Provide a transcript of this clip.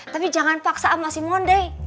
tapi jangan paksa sama si moni